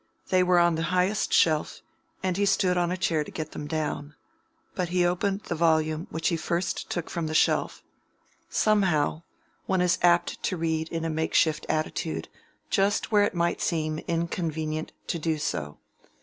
They were on the highest shelf, and he stood on a chair to get them down. But he opened the volume which he first took from the shelf: somehow, one is apt to read in a makeshift attitude, just where it might seem inconvenient to do so.